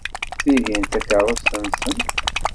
Tihin d takeṛṛust-nsen.